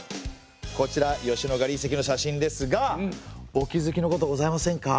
こちら吉野ヶ里遺跡の写真ですがお気付きのことございませんか？